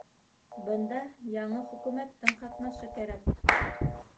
Бында яңы хөкүмәттең ҡатнашы кәрәк.